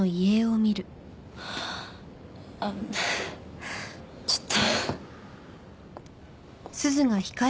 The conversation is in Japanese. あっちょっと。